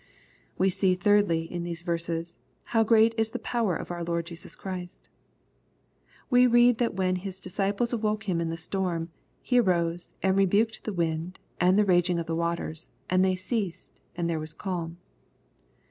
We see, thirdly, in these verses, how great is the power \• of our Lord Jesus Christ, We read that when His dis ciples awoke Him in the storm, " He arose, and rebuked the wind, and the raging of the waters, and they ceased, and there was a calm."